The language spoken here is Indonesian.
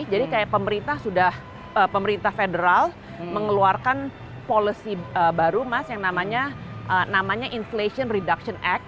jadi kayak pemerintah sudah pemerintah federal mengeluarkan policy baru mas yang namanya namanya inflation reduction act